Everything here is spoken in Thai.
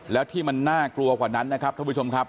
แล้วที่มันน่ากลัวกว่านั้นนะครับท่านผู้ชมครับ